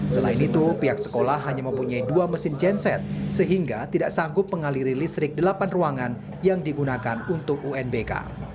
selain itu pihak sekolah hanya mempunyai dua mesin genset sehingga tidak sanggup mengaliri listrik delapan ruangan yang digunakan untuk unbk